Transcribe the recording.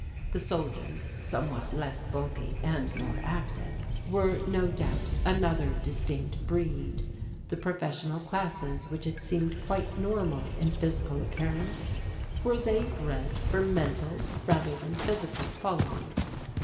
The soldiers, somewhat less bulky and more active, were, no doubt, another distinct breed. The professional classes which had seemed quite normal in physical appearance were they bred for mental rather than physical qualities?